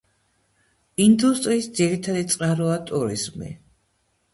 ინდუსტრიის ძირითადი წყაროა ტურიზმი.